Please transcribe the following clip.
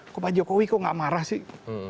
kok pak jokowi kok gak marah sih